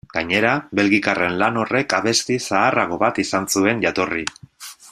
Gainera, belgikarren lan horrek abesti zaharrago bat izan zuen jatorri.